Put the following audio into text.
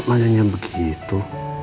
tuh tanya tanya begitu